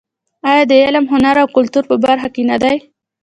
آیا د علم، هنر او کلتور په برخه کې نه دی؟